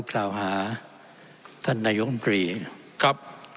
ท่านประธานที่ขอรับครับ